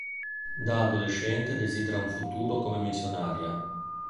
Da adolescente desidera un futuro come missionaria.